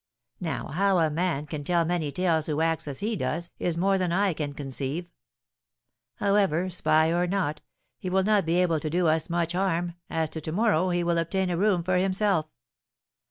Now, how a man can tell many tales who acts as he does, is more than I can conceive. However, spy or not, he will not be able to do us much more harm, as to morrow he will obtain a room for himself."